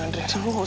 kurus itu dulu tuh